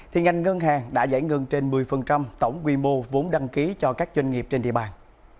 thì ngành ngân hàng đã giải ngân trên một mươi tổng quy mô vốn đăng ký cho các doanh nghiệp trên địa bàn